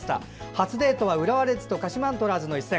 初デートは浦和レッズと鹿島アントラーズの一戦。